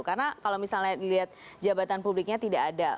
karena kalau misalnya dilihat jabatan publiknya tidak ada